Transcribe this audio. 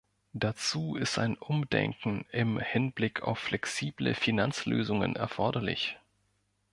Dazu ist ein Umdenken im Hinblick auf flexible Finanzlösungen erforderlich.